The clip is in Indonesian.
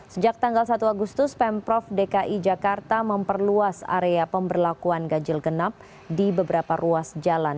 sejak tanggal satu agustus pemprov dki jakarta memperluas area pemberlakuan ganjil genap di beberapa ruas jalan